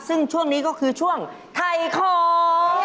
ซึ่งช่วงนี้ก็คือช่วงถ่ายของ